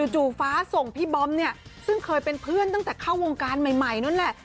ฟ้าส่งพี่บอมเนี่ยซึ่งเคยเป็นเพื่อนตั้งแต่เข้าวงการใหม่นั่นแหละ